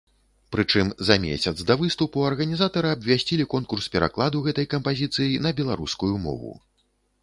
Прычым за месяц да выступу арганізатары абвясцілі конкурс перакладу гэтай кампазіцыі на беларускую мову.